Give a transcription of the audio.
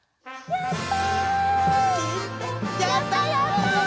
やった！